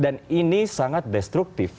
dan ini sangat destruktif